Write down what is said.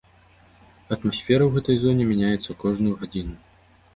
Атмасфера ў гэтай зоне мяняецца кожную гадзіну.